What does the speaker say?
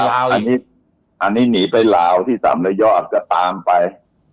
ใช่ใช่ไหมครับอันนี้ภาธิอันนี้หนีไปราวที่๓๐๐ยาวจะตามไป